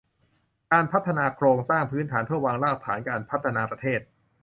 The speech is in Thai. การพัฒนาโครงสร้างพื้นฐานเพื่อวางรากฐานการพัฒนาประเทศ